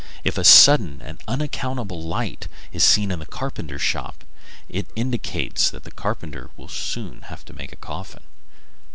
If a sudden and unaccountable light is seen in a carpenter's shop, it indicates that the carpenter will soon have to make a coffin.